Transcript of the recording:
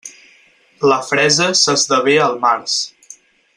La fresa s'esdevé al març.